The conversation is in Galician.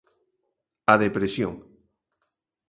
A depresión.